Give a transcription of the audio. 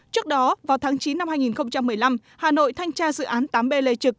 trước đó vào tháng chín năm hai nghìn một mươi năm hà nội thanh tra dự án tám b lê trực